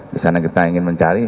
di sana kita ingin mencari